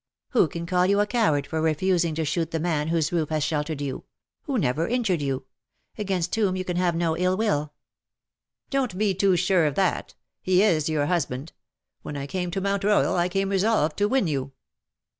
Who can call you a coward for refusing to shoot the man whose roof has sheltered you — who never injured you — against whom you can have no ill will. '^ Don^t be too sure of that. He is your husband. When I came to Mount Royal, I came resolved to win you.